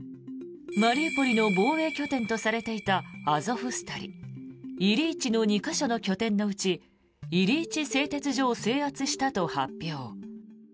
マリウポリの防衛拠点とされていたアゾフスタリイリイチの２か所の拠点のうちイリイチ製鉄所を制圧したと発表。